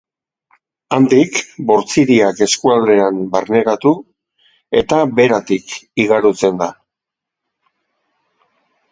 Handik Bortziriak eskualdean barneratu eta Beratik igarotzen da.